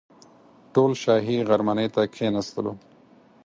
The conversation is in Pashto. ټول شاهي غرمنۍ ته کښېنستلو.